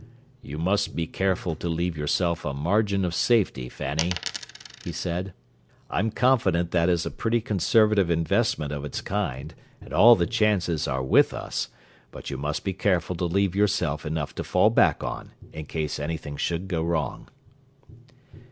"You must be careful to leave yourself a 'margin of safety,' Fanny," he said. "I'm confident that is a pretty conservative investment of its kind, and all the chances are with us, but you must be careful to leave yourself enough to fall back on, in case anything should go wrong."